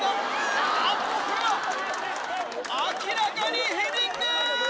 あっとこれは明らかにヘディング！